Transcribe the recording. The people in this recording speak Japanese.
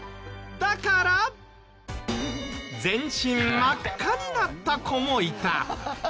だから全身真っ赤になった子もいた。